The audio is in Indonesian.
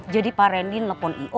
jadi pak rendy ngelepon i o nya gitu kan